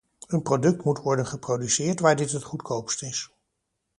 Een product moet worden geproduceerd waar dit het goedkoopst is.